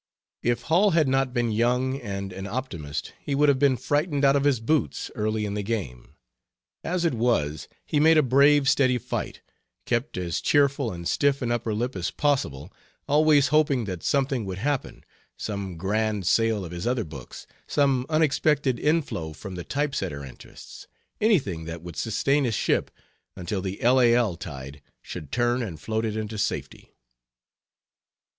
If Hall had not been young and an optimist, he would have been frightened out of his boots early in the game. As it was, he made a brave steady fight, kept as cheerful and stiff an upper lip as possible, always hoping that something would happen some grand sale of his other books, some unexpected inflow from the type setter interests anything that would sustain his ship until the L. A. L. tide should turn and float it into safety.